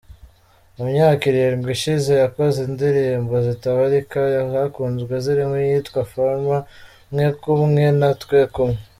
Mu myaka irindwi ishize yakoze indirimbo zitabarika zakunzwe zirimo iyitwa “Farmer”, “Mwekumwe” na “Twekumwe”.